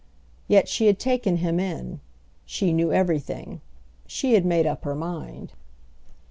Yet she had taken him in; she knew everything; she had made up her mind.